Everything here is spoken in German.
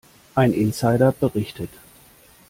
Ein Insider berichtet.